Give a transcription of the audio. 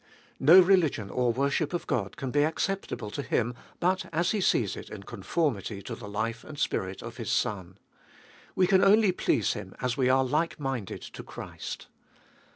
No religion or worship of God can be acceptable to Him but as He sees in it con formity to the life and spirit of His Son. We can only please Him as we are like minded to Christ.